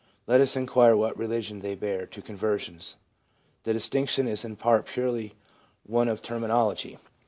Let us inquire what relation they bear to conversions. The distinction is in part purely one of terminology.